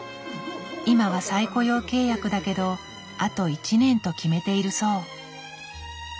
今は再雇用契約だけどあと１年と決めているそう。